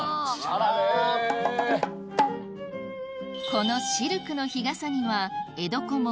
このシルクの日傘には江戸小紋